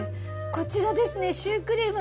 こちらですねシュークリーム！